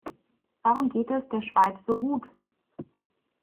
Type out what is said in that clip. Warum geht es der Schweiz so gut?